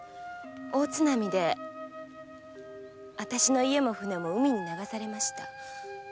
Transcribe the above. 大津波であたしの家も舟も海に流されました。